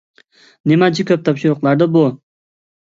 نېمانچە كۆپ تاپشۇرۇقلاردۇ بۇ؟